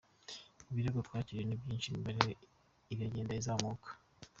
Ibirego twakiriye ni byinshi, imibare iragenda izamuka.